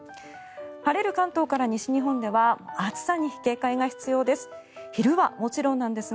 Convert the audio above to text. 晴れる関東から西日本では暑さに警戒が必要です。